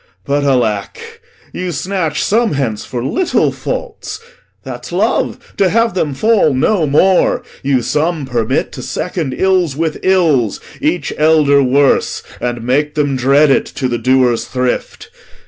But alack, You snatch some hence for little faults; that's love, To have them fall no more. You some permit To second ills with ills, each elder worse, And make them dread it, to the doer's thrift.